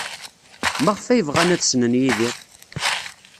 Maɣef ay bɣan ad ssnen Yidir?